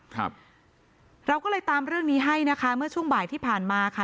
ครับเราก็เลยตามเรื่องนี้ให้นะคะเมื่อช่วงบ่ายที่ผ่านมาค่ะ